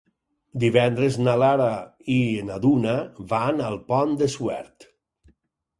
Divendres na Lara i na Duna van al Pont de Suert.